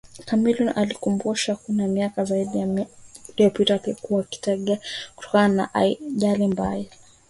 Chameleone alikumbusha kuwa miaka zaidi ya minane iliyopita angelikuwa Kiwete kutokana na ajali mbaya